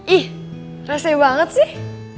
ih rese banget sih